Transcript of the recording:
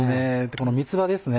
この三つ葉ですね